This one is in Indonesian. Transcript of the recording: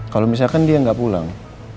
kalau misalkan dia nggak pulang